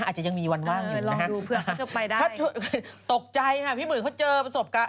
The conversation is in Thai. อาจจะยังมีวันว่างอยู่นะฮะถึงตกใจฮะพี่หมื่นเขาเจอประสบการณ์